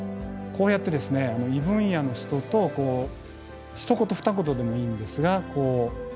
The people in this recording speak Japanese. こうやってですね異分野の人とひと言ふた言でもいいんですが話をする。